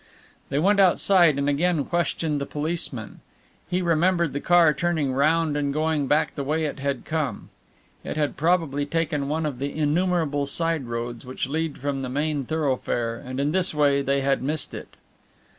They went outside and again questioned the policeman. He remembered the car turning round and going back the way it had come. It had probably taken one of the innumerable side roads which lead from the main thoroughfare, and in this way they had missed it.